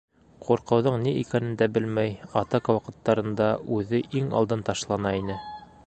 Ҡурҡыуҙың ни икәнен дә белмәй, атака ваҡыттарында үҙе иң алдан ташлана ине.